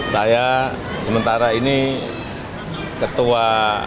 saya sementara ini ketua